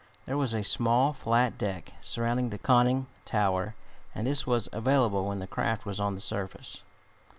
There was a small flat deck surrounding the conning tower and this was available when the craft was on the surface.